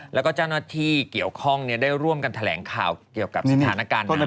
แล้วก็เจ้าหน้าที่เกี่ยวข้องได้ร่วมกันแถลงข่าวเกี่ยวกับสถานการณ์น้ำ